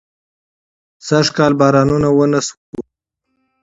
سږکال بارانونه ونه شو